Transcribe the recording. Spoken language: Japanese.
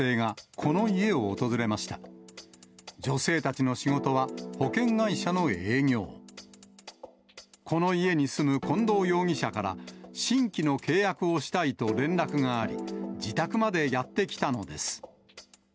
この家に住む近藤容疑者から、新規の契約をしたいと連絡があり、自宅までやって来たのです。